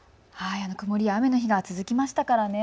曇りや雨の日が続きましたからね。